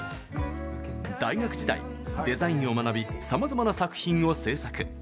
大学時代、デザインを学びさまざまな作品を制作。